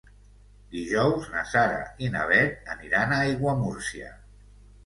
Dijous na Sara i na Bet aniran a Aiguamúrcia.